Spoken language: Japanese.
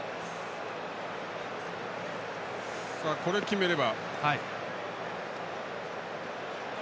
これを決めれば。